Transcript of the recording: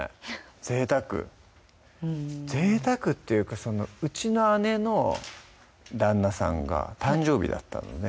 ぜいたくぜいたくっていうかそのうちの姉の旦那さんが誕生日だったんでね